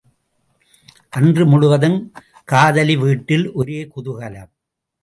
அன்று முழுவதும் காதலி வீட்டில் ஒரே குதூகலம்.